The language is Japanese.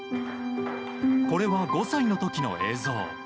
これは５歳の時の映像。